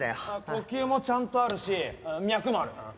呼吸もちゃんとあるし脈もある。